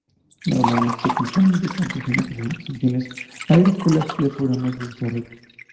Normalmente se acompaña de cambios en otras instituciones agrícolas y de programas de desarrollo.